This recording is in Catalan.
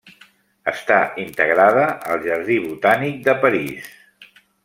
Està integrada al jardí botànic de París.